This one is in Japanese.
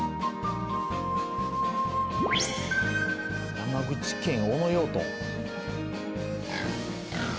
山口県小野養豚。